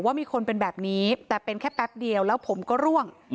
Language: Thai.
ว่ามีคนเป็นแบบนี้แต่เป็นแค่แป๊บเดียวแล้วผมก็ร่วง